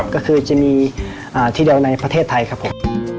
ก็คือจะมีที่เดียวในประเทศไทยครับผม